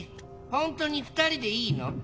本当に２人でいいの？